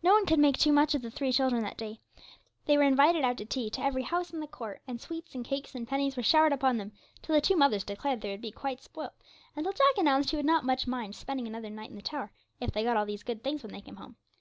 No one could make too much of the three children that day. They were invited out to tea to every house in the court, and sweets, and cakes, and pennies were showered upon them, till the two mothers declared they would be quite spoilt, and till Jack announced he would not much mind spending another night in the tower, if they got all these good things when they came home.